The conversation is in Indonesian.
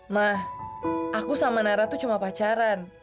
ma aku sama nara itu cuma pacaran